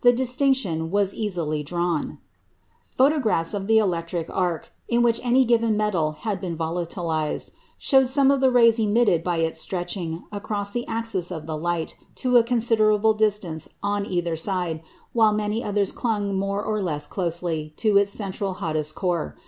The distinction was easily drawn. Photographs of the electric arc, in which any given metal had been volatilised, showed some of the rays emitted by it stretching across the axis of the light to a considerable distance on either side, while many others clung more or less closely to its central hottest core.